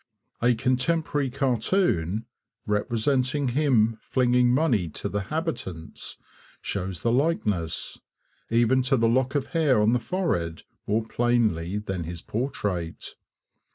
A contemporary cartoon, representing him flinging money to the habitants, shows the likeness, even to the lock of hair on the forehead, more plainly than his portrait.